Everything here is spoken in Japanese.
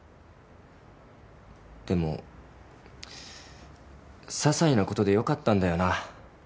でもささいなことでよかったんだよな。